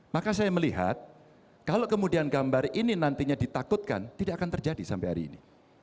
maka saya melihat kalau kemudian gambar ini nantinya ditakutkan tidak akan terjadi sampai hari ini